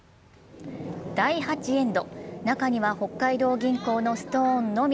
第８エンド、中には北海道銀行のストーンのみ。